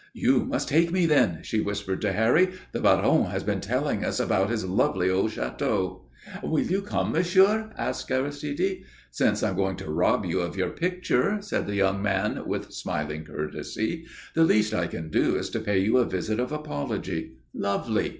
"You must take me, then," she whispered to Harry. "The Baron has been telling us about his lovely old château." "Will you come, monsieur?" asked Aristide. "Since I'm going to rob you of your picture," said the young man, with smiling courtesy, "the least I can do is to pay you a visit of apology. Lovely!"